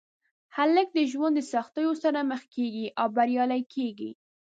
هلک د ژوند د سختیو سره مخ کېږي او بریالی کېږي.